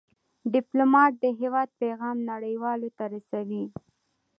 ډيپلومات د هېواد پېغام نړیوالو ته رسوي.